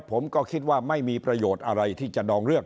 ผมก็คิดว่าไม่มีประโยชน์อะไรที่จะดองเรื่อง